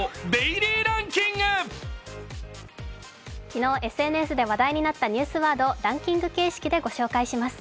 昨日ＳＮＳで話題になったニュースワードをランキング形式でご紹介します。